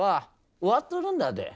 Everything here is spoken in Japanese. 終わっとるんだで。